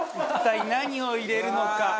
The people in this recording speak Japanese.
一体何を入れるのか？